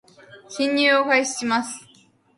進入を開始します